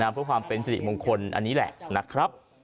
เพื่อความเป็นสิริมงคลอันนี้แหละนะครับ